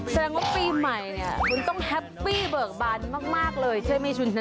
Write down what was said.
แสดงว่าปีใหม่เนี่ยคุณต้องแฮปปี้เบิกบานมากเลยใช่ไหมคุณชนะ